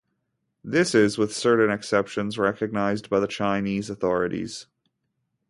This is, with certain exceptions, recognized by the Chinese authorities.